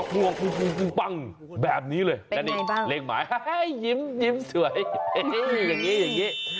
ปุ้งปุ้งเป็นนี้เลยลีกหมายยิ้มสวยเห้ยอย่างนี้